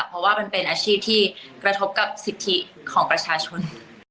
เพราะว่ามันเป็นอาชีพที่กระทบกับสิทธิของประชาชน